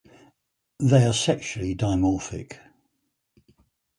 They are sexually dimorphic.